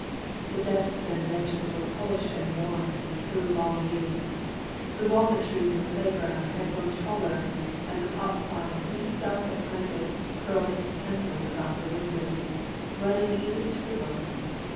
The desks and benches were pol ished and worn, through long use ; the walnut trees in the playground had grown taller; and the hop vine he himself had planted curled its tendrils about the windows, running even to the roof.